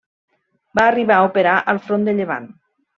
Va arribar a operar al front de Llevant.